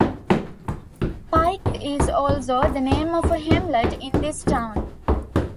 Pike is also the name of a hamlet in this town.